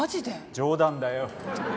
冗談だよ。